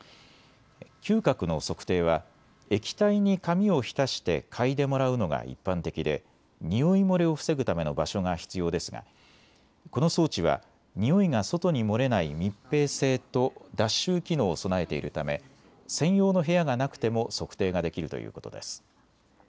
嗅覚の測定は液体に紙をひたして嗅いでもらうのが一般的でにおい漏れを防ぐための場所が必要ですがこの装置はにおいが外に漏れない密閉性と脱臭機能を備えているため専用の部屋がなくても測定ができるということです。